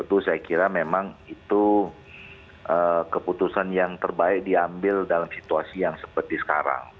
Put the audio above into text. itu saya kira memang itu keputusan yang terbaik diambil dalam situasi yang seperti sekarang